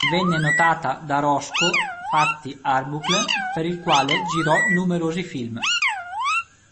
Venne notata da Roscoe "Fatty" Arbuckle, per il quale girò numerosi film.